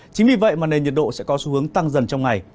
chính vì vậy mà nền nhiệt độ sẽ có xu hướng tăng dần trong ngày